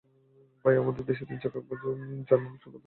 তাই আমাদের দেশের তিন চাকার যান অনেকটা বাধ্য হয়েই মহাসড়ক ব্যবহার করে।